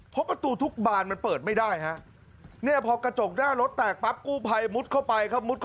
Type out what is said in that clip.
เพราะประตูทุกบานมันเปิดไม่ได้ฮะเนี่ยพอกระจกหน้ารถแตกปั๊บกู้ภัยมุดเข้าไปครับ